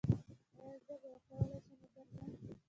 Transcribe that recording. ایا زه به وکولی شم وګرځم؟